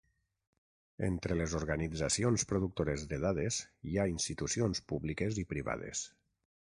Entre les organitzacions productores de dades hi ha institucions públiques i privades.